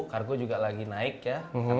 kargo juga lagi naik ya